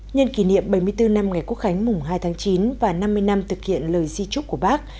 nhân kỷ niệm bảy mươi bốn năm ngày quốc khánh mùng hai tháng chín và năm mươi năm thực hiện lời di trúc của bác